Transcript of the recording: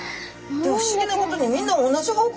不思議なことにみんな同じ方向